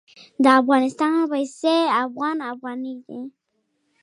د افغانستان پیسې افغان افغاني دي.